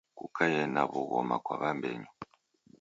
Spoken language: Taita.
Kukaie na w'ughoma kwa w'ambenyu